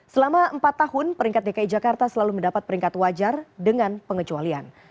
selama empat tahun peringkat dki jakarta selalu mendapat peringkat wajar dengan pengecualian